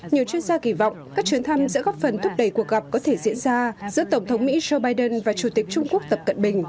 nhiều chuyên gia kỳ vọng các chuyến thăm sẽ góp phần thúc đẩy cuộc gặp có thể diễn ra giữa tổng thống mỹ joe biden và chủ tịch trung quốc tập cận bình